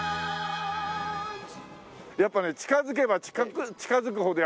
やっぱね近づけば近づくほど大きいね。